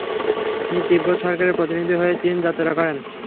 তিনি তিব্বত সরকারের প্রতিনিধি হয়ে চীন যাত্রা করেন।